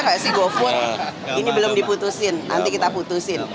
kayak sih go food ini belum diputusin nanti kita putusin